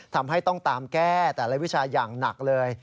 ทำให้ต้องตามแก้แต่ละวิชาอย่างหนักเลย